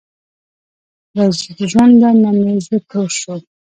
له ژوند نۀ مې زړه تور شو